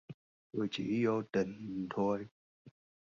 Tôi chỉ vô tình thôi